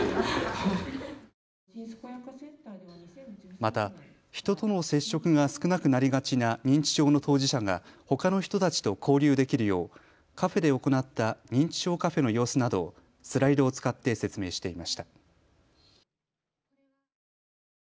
また、人との接触が少なくなりがちな認知症の当事者が、ほかの人たちと交流できるようカフェで行った認知症カフェの様子などをスライドを使って説明していました。